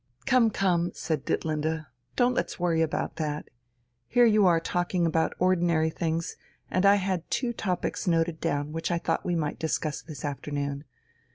"Come, come!" said Ditlinde. "Don't let's worry about that. Here you are talking about ordinary things, and I had two topics noted down which I thought we might discuss this afternoon....